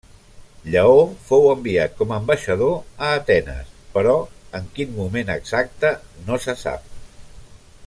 Lleó fou enviat com ambaixador a Atenes però en quin moment exacte no se sap.